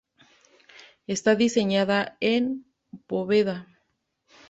Está diseñada en bóveda.